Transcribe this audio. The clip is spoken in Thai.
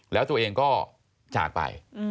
แล้วตัวเองก็จากไป